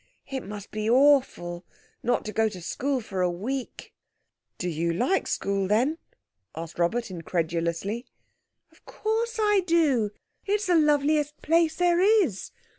It must be awful not to go to school for a week." "Do you like school, then?" asked Robert incredulously. "Of course I do. It's the loveliest place there is.